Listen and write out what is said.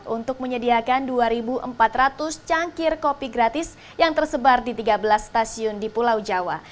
untuk menyediakan dua empat ratus cangkir kopi gratis yang tersebar di tiga belas stasiun di pulau jawa